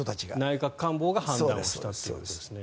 内閣官房が判断をしたというわけですね。